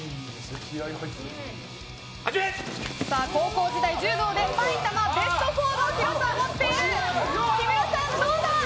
高校時代柔道で埼玉ベスト４の記録を持っているキムラさん、どうだ。